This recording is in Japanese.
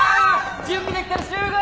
準備できたら集合！